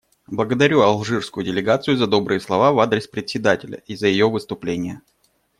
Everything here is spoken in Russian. Благодарю алжирскую делегацию за добрые слова в адрес Председателя и за ее выступление.